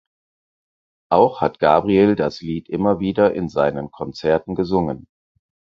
Auch hat Gabriel das Lied immer wieder in seinen Konzerten gesungen.